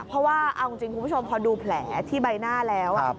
เพราะว่าเอาจริงคุณผู้ชมพอดูแผลที่ใบหน้าแล้ว